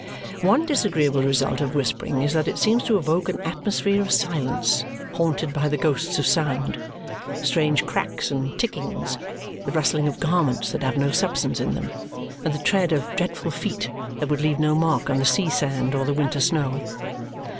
One disagreeable result of whispering is that it seems to evoke an atmosphere of silence, haunted by the ghosts of sound strange cracks and tickings, the rustling of garments that have no substance in them, and the tread of dreadful feet that would leave no mark on the sea sand or the winter snow.